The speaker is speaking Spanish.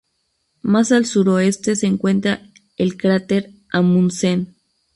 Más al suroeste se encuentra el cráter Amundsen.